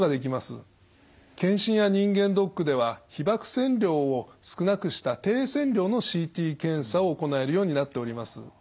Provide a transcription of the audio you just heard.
検診や人間ドックでは被ばく線量を少なくした低線量のＣＴ検査を行えるようになっております。